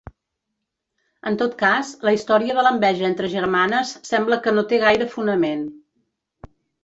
En tot cas, la història de l'enveja entre germanes sembla que no té gaire fonament.